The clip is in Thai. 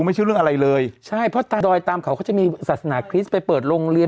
ไม่ใช่เรื่องอะไรเลยใช่เพราะตาดอยตามเขาเขาจะมีศาสนาคริสต์ไปเปิดโรงเรียน